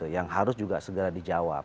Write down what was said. yang harus juga segera dijawab